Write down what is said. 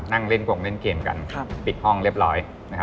นั่งเล่นกงเล่นเกมกันปิดห้องเรียบร้อย